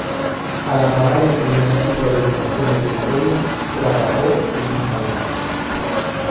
Al acabar el primer ciclo de educación obligatoria, trabajó en un banco.